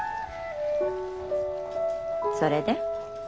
それで？